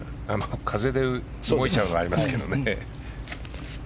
風で動いちゃう場合もありますけどね。